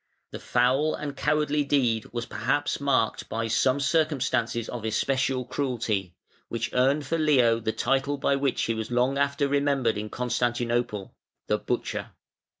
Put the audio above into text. The foul and cowardly deed was perhaps marked by some circumstances of especial cruelty, which earned for Leo the title by which he was long after remembered in Constantinople, "The Butcher".